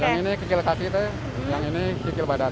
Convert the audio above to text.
yang ini kikil kaki yang ini kikil badan